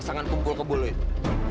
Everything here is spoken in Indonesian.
jangan punggul kebun lu itu